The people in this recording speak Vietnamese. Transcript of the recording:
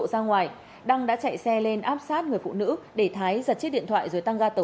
tài sản đăng đã chạy xe lên áp sát người phụ nữ để thái giật chiếc điện thoại rồi tăng ra tẩu